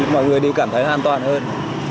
mọi người đi cảm thấy an toàn hơn